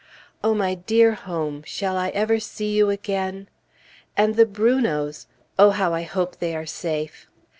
Oh, my dear home! shall I ever see you again? And the Brunots! Oh, how I hope they are safe.